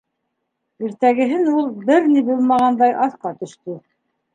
Иртәгеһен ул, бер ни булмағандай, аҫҡа төштө.